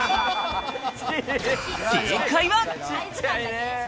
正解は。